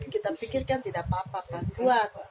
kita pikirkan tidak apa apa kuat